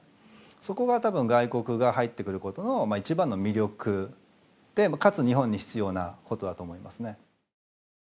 そこが多分外国が入ってくることの一番の魅力でかつ日本に必要なことだと思いますね。